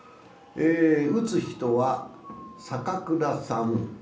打つ人は坂倉さん。